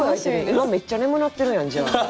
今めっちゃ眠なってるやんじゃあ。